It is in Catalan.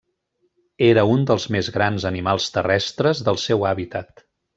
Era un dels més grans animals terrestres del seu hàbitat.